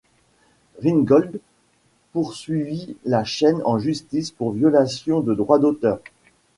Ringgold poursuivi la chaine en justice pour violation de droits d'auteur.